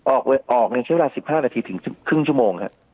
ออกในใช้เวลา๑๕นาทีถึงครึ่งชั่วโมงครับ